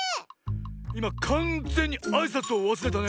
いまかんぜんにあいさつをわすれたね。